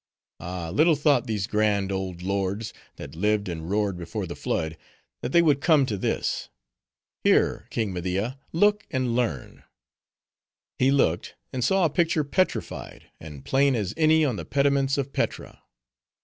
Ah, little thought these grand old lords, that lived and roared before the flood, that they would come to this. Here, King Media, look and learn." He looked; and saw a picture petrified, and plain as any on the pediments of Petra.